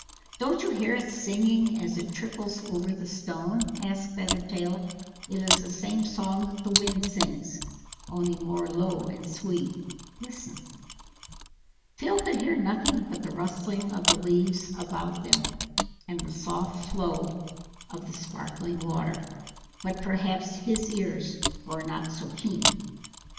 "Don't you hear it singing as it trickles over the stone?" asked Feathertail. "It is the same song that the Wind sings, only more low and sweet.... Listen!" Phil could hear nothing but the rustling of the leaves about them, and the soft flow of the sparkling water; but perhaps his ears were not so keen.